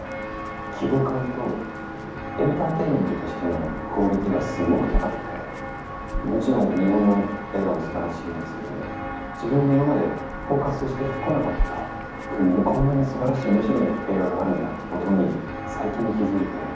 規模感とエンターテインメントとしてのクオリティーがすごく高くてもちろん日本の映画も素晴らしいんですけども自分が今までフォーカスしてこなかった国にこんなに素晴らしい面白い映画があるんだってことに最近気付いて。